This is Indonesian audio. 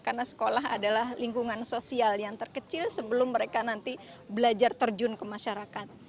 karena sekolah adalah lingkungan sosial yang terkecil sebelum mereka nanti belajar terjun ke masyarakat